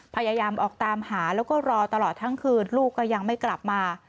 พยายามออกตามหาแล้วก็รอตลอดทั้งคืนลูกก็ยังไม่กลับมา